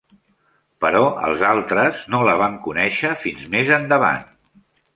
Però els altres no la van conèixer fins més endavant.